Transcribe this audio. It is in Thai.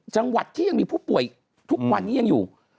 จังหวัดที่ยังมีผู้ป่วยทุกวันนี้ยังอยู่